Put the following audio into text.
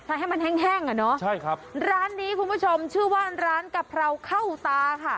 ให้มันแห้งแห้งอ่ะเนอะใช่ครับร้านนี้คุณผู้ชมชื่อว่าร้านกะเพราเข้าตาค่ะ